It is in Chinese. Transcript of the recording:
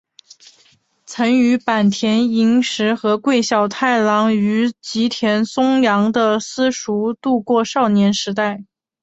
曾与坂田银时和桂小太郎于吉田松阳的私塾度过少年时代。